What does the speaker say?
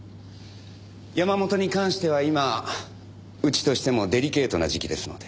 山本に関しては今うちとしてもデリケートな時期ですので。